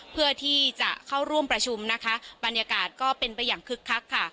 เพื่อที่จะเข้าร่วมประชุมนะคะบรรยากาศก็เป็นไปอย่างคึกคักค่ะ